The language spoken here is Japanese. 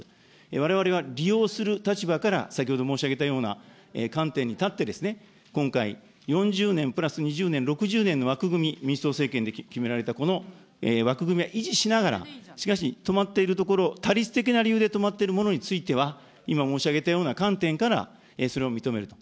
われわれは利用する立場から、先ほど申し上げたような観点に立って、今回、４０年プラス２０年、６０年の枠組み、民主党政権で決められた枠組みを維持しながら、しかし止まっているところ、他律的な理由で止まってるものについては、今申し上げた観点から、それを認めると。